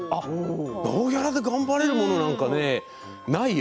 ノーギャラで頑張れるものなんてないよ。